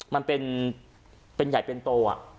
มันเป็นใหญ่เป็นโต